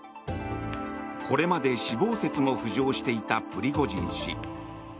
これまで死亡説も浮上していたプリゴジン氏。